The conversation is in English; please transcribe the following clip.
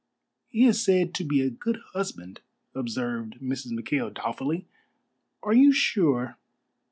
"He is said to be a good husband," observed Mrs. McKail doubtfully. "Are you sure?"